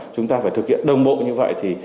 chúng ta phải thực hiện đồng bộ như vậy